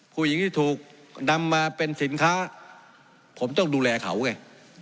ผู้หญิงที่ถูกนำมาเป็นสินค้าผมต้องดูแลเขาไง